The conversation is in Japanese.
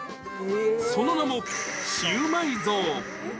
その名も、シウマイ像。